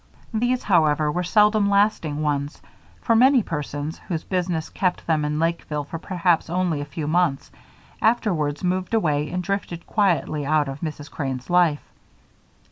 These, however, were seldom lasting ones, for many persons, whose business kept them in Lakeville for perhaps only a few months, afterwards moved away and drifted quietly out of Mrs. Crane's life.